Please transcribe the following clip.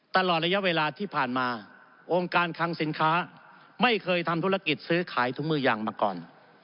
ตลอดระยะเวลาที่ผ่านมาองค์การคังสินค้าไม่เคยทำธุรกิจซื้อขายถุงมือยางมาก่อน